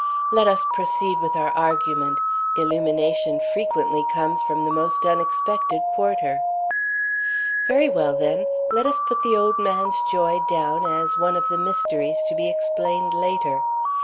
"Let us proceed with our argument. Illumination frequently comes from the most unexpected quarter." "Very well, then, let us put the old man's joy down as one of the mysteries to be explained later.